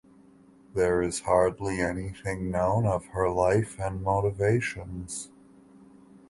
There is hardly anything known of her life and motivations.